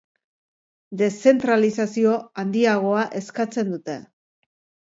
Deszentralizazio handiagoa eskatzen dute.